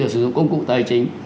sử dụng công cụ tài chính